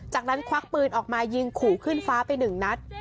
จากนั้นควักปืนออกมายิงขู่ขึ้นฟ้าไปหนึ่งนัด